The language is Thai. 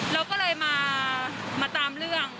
เราก็เลยมาตามเรื่อง